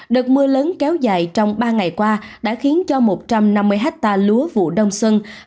đợt mưa lớn kéo dài trong ba ngày qua đã khiến cho một trăm năm mươi hecta lúa vụ đông sân hai nghìn hai mươi một hai nghìn hai mươi hai